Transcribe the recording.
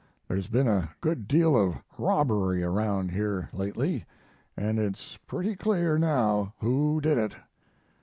There's been a good deal of robbery around here lately, and it's pretty clear now who did it.'